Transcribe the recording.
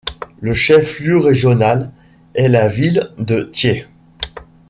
Le chef-lieu régional est la ville de Thiès.